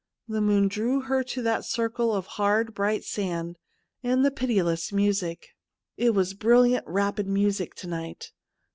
The moon drew her to that circle of 55 THE MOON SLAVE hard, bright sand and the pitiless music. It was brilliant, rapid music to night.